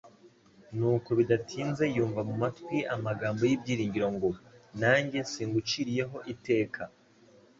nuko bidatinze yumva mu matwi ye amagambo y'ibyiringiro ngo : "Nanjye singuciriyeho iteka,